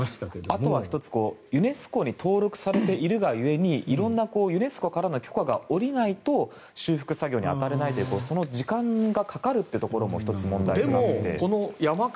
あとやユネスコに登録されているがゆえにユネスコからの許可が下りないと修復作業に当たれないという時間がかかるのも１つ問題があって。